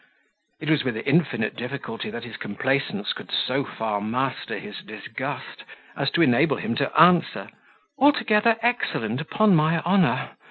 It was with infinite difficulty that his complaisance could so far master his disgust as to enable him to answer, "Altogether excellent, upon my honour!"